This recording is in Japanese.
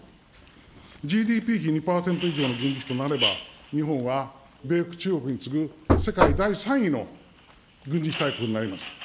ＧＤＰ比２％以上の軍事費となれば、日本は米国、中国に次ぐ世界第３位の軍事費大国になります。